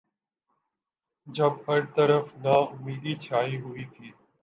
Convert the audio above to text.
جب ہر طرف ناامیدی چھائی ہوئی تھی۔